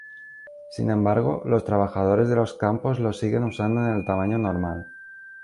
Sin embargo, los trabajadores de los campos lo siguen usando en el tamaño normal.